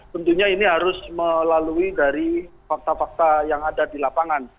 tentunya ini harus melalui dari fakta fakta yang ada di lapangan